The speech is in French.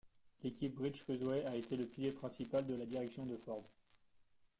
L'équipe Breech-Crusoe a été le pilier principal de la direction de Ford.